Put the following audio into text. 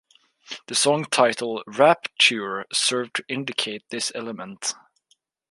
The song title "Rap"ture" served to indicate this element.